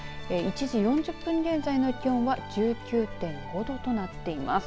１時４０分現在の気温は１９．５度となっています。